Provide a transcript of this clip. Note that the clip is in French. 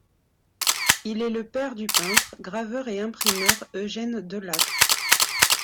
Il est le père du peintre, graveur et imprimeur Eugène Delâtre.